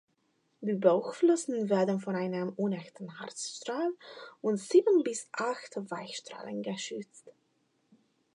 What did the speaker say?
Die Bauchflossen werden von einem unechten Hartstrahl und sieben bis acht Weichstrahlen gestützt.